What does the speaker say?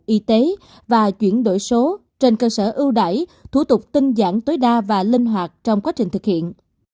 y tế và chuyển đổi số trên cơ sở ưu đải thủ tục tinh giản tối đa và linh hoạt trong quá trình thực hiện